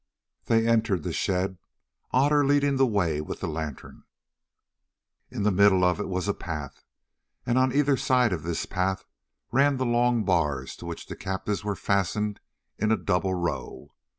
They entered the shed, Otter leading the way with the lantern. In the middle of it was a path, and on either side of this path ran the long bars to which the captives were fastened in a double row.